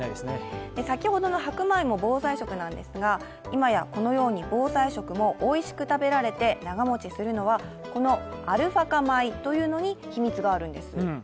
先ほどの白米も防災食なんですが、今やこのように防災食もおいしく食べられて長持ちするのは、このアルファ化米というのに秘密があるんです。